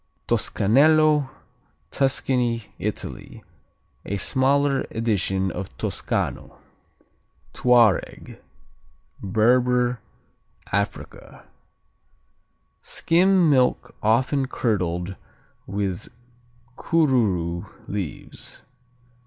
Toscanello Tuscany, Italy A smaller edition of Toscano. Touareg Berber, Africa Skim milk often curdled with Korourou leaves.